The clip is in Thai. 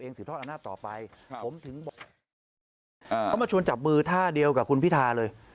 เขามาชวนจับมือท่าเดียวกับคุณพิทาเลย